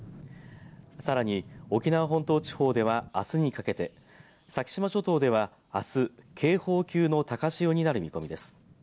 さらに沖縄本島地方ではあすにかけて先島諸島では、あす警報級の高潮になる見込みです。